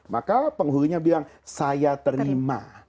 maka penghulunya bilang saya terima